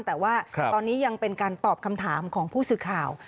แต่ว่าตอนนี้ยังเป็นการตอบคำถามของผู้สื่อข่าว